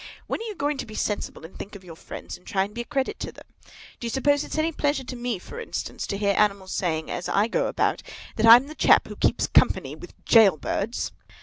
When are you going to be sensible, and think of your friends, and try and be a credit to them? Do you suppose it's any pleasure to me, for instance, to hear animals saying, as I go about, that I'm the chap that keeps company with gaol birds?"